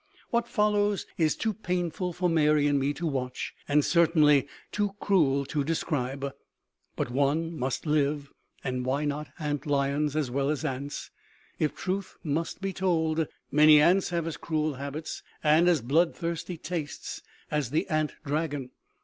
What follows is too painful for Mary and me to watch and certainly too cruel to describe. But one must live, and why not ant lions as well as ants? If truth must be told, many ants have as cruel habits and as bloodthirsty tastes as the ant dragon.